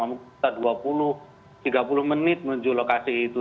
jadi mereka bisa berjalan dua puluh tiga puluh menit menuju lokasi itu